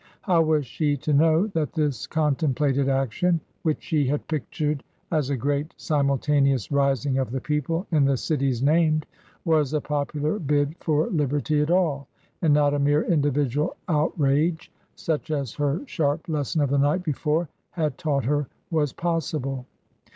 How was she to know that this contemplated action — which she had pictured as a great simultaneous rising of the people in the cities named — ^was a popular bid for liberty at all, and not a mere individual outrage such as her sharp lesson of the night before had taught her was possible